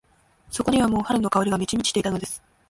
そこにはもう春の香りが満ち満ちていたのです。